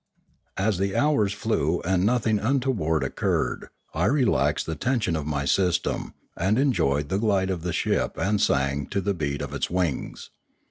As the hours flew and nothing untoward occurred, I re laxed the tension of my system and enjoyed the glide of the ship and sang to the beat of its wings.